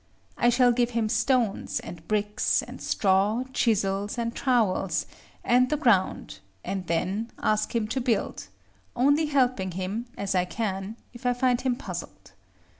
I shall give him stones, and bricks, and straw, chisels, and trowels, and the ground, and then ask him to build; only helping him, as I can, if I find him puzzled.